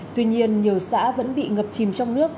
tuy nhiên nhiều xã vẫn bị ngập chìm trong nước